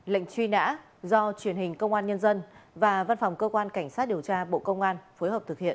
lệnh truy nã do truyền hình công an nhân dân và văn phòng cơ quan cảnh sát điều tra bộ công an phối hợp thực hiện